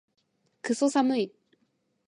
クソ寒い